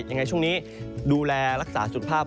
ยังไงช่วงนี้ดูแลรักษาสุขภาพ